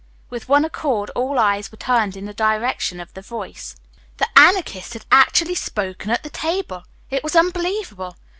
With one accord all eyes were turned in the direction of the voice. The Anarchist had actually spoken at the table! It was unbelievable.